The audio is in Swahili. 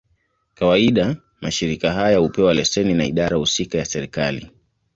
Kawaida, mashirika haya hupewa leseni na idara husika ya serikali.